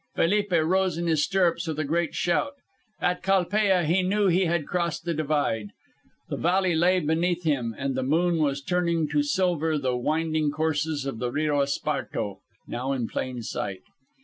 Felipe rose in his stirrups with a great shout. At Calpella he knew he had crossed the divide. The valley lay beneath him, and the moon was turning to silver the winding courses of the Rio Esparto, now in plain sight.